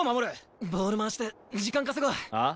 ボール回して時間稼ごう！は？